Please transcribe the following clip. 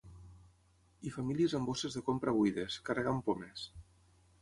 I famílies amb bosses de compra buides, carregant pomes.